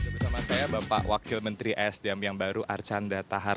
bersama saya bapak wakil menteri sdm yang baru arcanda tahar